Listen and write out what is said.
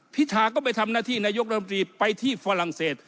พิธาก็ไปทำหน้าที่นายกรัฐมนตรีไปที่ฝรั่งเศส